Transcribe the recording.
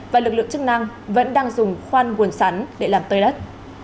và lực lượng chức năng vẫn đang dùng khoan nguồn sắn để làm tơi đất